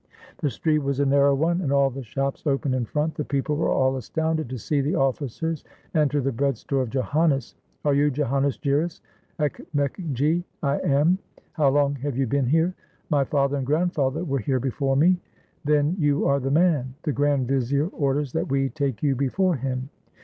The street was a narrow one, and all the shops open in front. The people were all astounded to see the oflScers enter the breadstore of Joannes. "Are you Joannes Giras, Ekmekgi?" "I am." "How long have you been here?" "My father and grandfather were here before me. " "Then you are the man! The grand vizier orders that we take you before him.